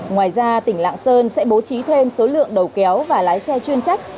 ngoài ra tỉnh lạng sơn sẽ bố trí thêm số lượng đầu kéo và lái xe chuyên trách